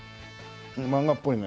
うん漫画っぽいね。